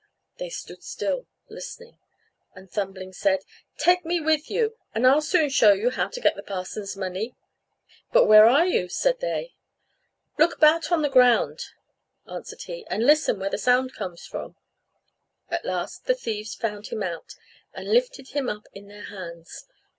They stood still listening, and Thumbling said, "Take me with you, and I'll soon show you how to get the parson's money." "But where are you?" said they. "Look about on the ground," answered he, "and listen where the sound comes from." At last the thieves found him out, and lifted him up in their hands.